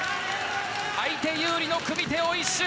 相手有利の組手を一蹴。